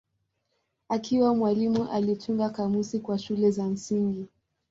Akiwa mwalimu alitunga kamusi kwa shule za msingi.